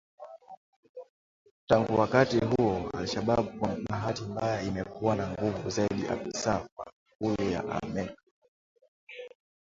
Tangu wakati huo al Shabab kwa bahati mbaya imekuwa na nguvu zaidi afisa wa IKULU ya Amerka